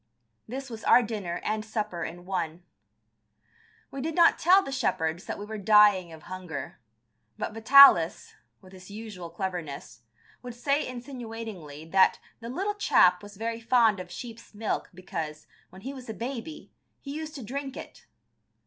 This was our dinner and supper in one. We did not tell the shepherds that we were dying of hunger, but Vitalis, with his usual cleverness, would say insinuatingly that "the little chap was very fond of sheep's milk, because, when he was a baby, he used to drink it."